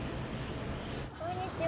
こんにちは。